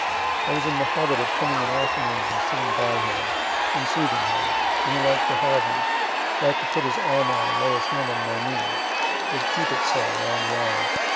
I was in the habit of coming in afternoons and sitting by him, and soothing him, and he liked to have me liked to put his arm out and lay his hand on my knee would keep it so a long while.